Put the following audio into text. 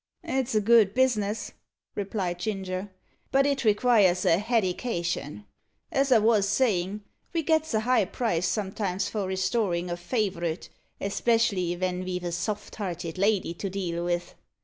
"It's a good business," replied Ginger, "but it requires a hedication. As I wos sayin', we gets a high price sometimes for restorin' a favourite, especially ven ve've a soft hearted lady to deal vith.